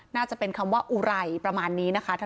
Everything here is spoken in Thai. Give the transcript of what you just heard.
น่าจะเป็นคำว่าอุไรประมาณนี้นะคะ